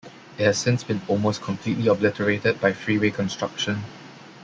It has since been almost completely obliterated by freeway construction.